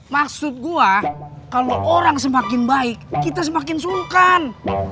maksud gua kalau orang semakin baik kita semakin sungkang